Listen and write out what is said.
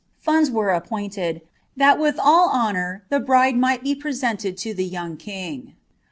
funds were appointed, that with all honour the bride might be pre ted U> the young king.